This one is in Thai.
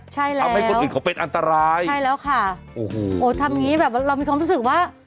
ใช่แล้วใช่แล้วค่ะโอ้โฮทำงี้แบบเรามีความรู้สึกว่า